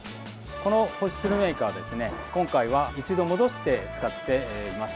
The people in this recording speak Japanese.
この干しスルメイカは今回は一度戻して使っています。